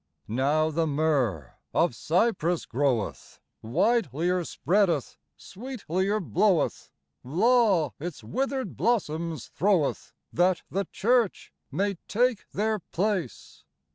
39 Now the myrrh of Cyprus groweth, Widelier spreadeth, sweetlier bloweth ; Law its withered blossoms throweth, That the Church may take their place.